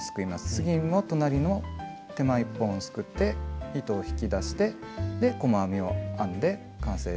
次も隣の手前１本をすくって糸を引き出して細編みを編んで完成です。